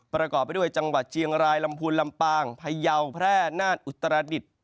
ประกอบไปด้วยจังหวัดเชียงรายลำพูนลำปางพยาวแพร่น่านอุตรดิษฐ์